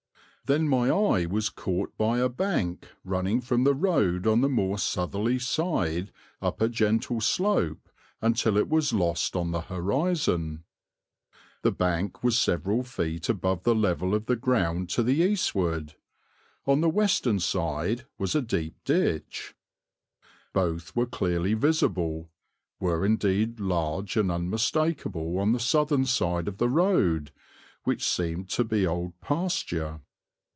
Then my eye was caught by a bank running from the road on the more southerly side up a gentle slope until it was lost on the horizon. The bank was several feet above the level of the ground to the eastward; on the western side was a deep ditch. Both were clearly visible, were indeed large and unmistakable on the southern side of the road, which seemed to be old pasture.